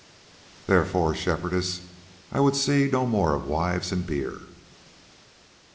Therefore, Shepherdess, I would see no more of wives and beer."